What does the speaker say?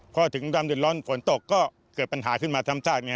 เพราะถึงร้ำดึนร้อนฝนตกก็เกิดปัญหาขึ้นมาทำจาก